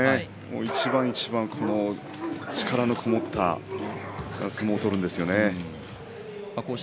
一番一番力のこもった相撲を取るんですよね。